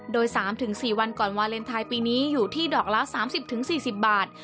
โดย๓๔วันก่อนวาเลนไทยปีนี้อยู่ที่ดอกละ๓๐๔๐บาท